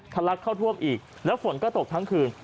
ลักเข้าท่วมอีกแล้วฝนก็ตกทั้งคืน